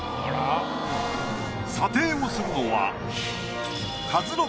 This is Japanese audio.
査定をするのは。